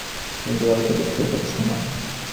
তুমি তো এই ব্যাপারটা বুঝতেই পারছো না।